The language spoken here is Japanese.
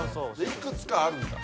いくつかあるんだ。